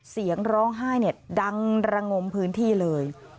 เสียงร้องไห้ดังระงมพื้นที่เลย